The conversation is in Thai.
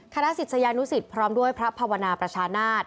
ศิษยานุสิตพร้อมด้วยพระภาวนาประชานาศ